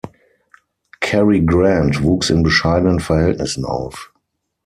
Cary Grant wuchs in bescheidenen Verhältnissen auf.